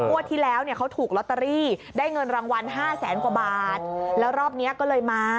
ที่แล้วเนี่ยเขาถูกลอตเตอรี่ได้เงินรางวัลห้าแสนกว่าบาทแล้วรอบเนี้ยก็เลยมา